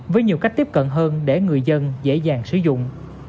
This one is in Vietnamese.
với nhiều cách tiếp cận hơn để người dân dễ dàng sử dụng